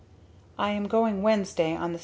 "I am going Wednesday on the 7.